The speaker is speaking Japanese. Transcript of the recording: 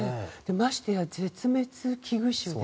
まして絶滅危惧種で。